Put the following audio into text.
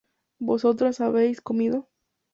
Vosotras habíais comido